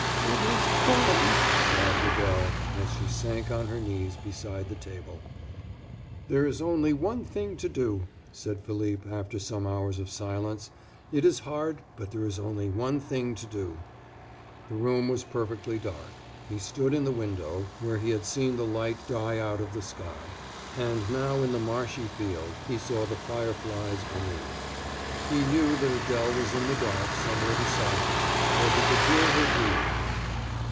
"It has come!" sobbed Adèle, as she sank on her knees beside the table. "There is only one thing to do," said Philippe, after some hours of silence. "It is hard; but there is only one thing to do." The room was perfectly dark; he stood in the window, where he had seen the light die out of the sky, and now in the marshy field he saw the fireflies gleam. He knew that Adèle was in the dark somewhere beside him, for he could hear her breathe.